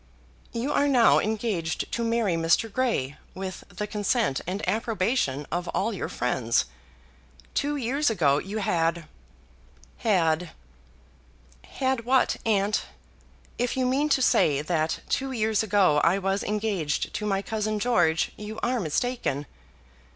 "You are now engaged to marry Mr. Grey, with the consent and approbation of all your friends. Two years ago you had had " "Had what, aunt? If you mean to say that two years ago I was engaged to my cousin George you are mistaken.